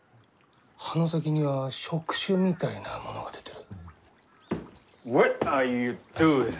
葉の先には触手みたいなものが出てる。